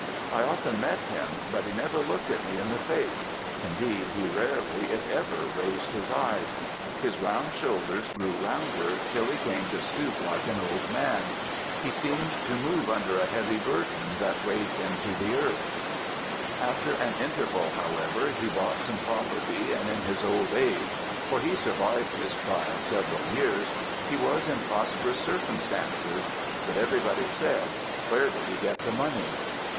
I often met him, but he never looked me in the face; indeed, he rarely, if ever, raised his eyes; his round shoulders grew rounder, till he came to stoop like an old man. He seemed to move under a heavy burthen that weighed him to the earth. "After an interval, however, he bought some property; and in his old age for he survived his trial several years he was in prosperous circumstances. But everybody said, 'Where did he get the money?'